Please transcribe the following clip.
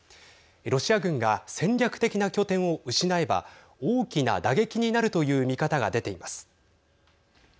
ロシア軍が戦略的な拠点を失えば大きな打撃になるという見方が出ています。